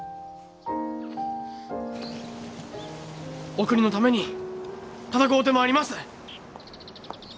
お国のために戦うてまいります！